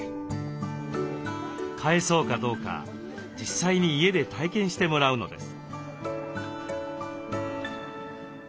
飼えそうかどうか実際に家で体験してもらうのです。